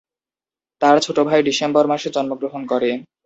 তার ছোট ভাই ডিসেম্বর মাসে জন্মগ্রহণ করে।